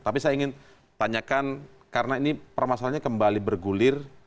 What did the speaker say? tapi saya ingin tanyakan karena ini permasalahannya kembali bergulir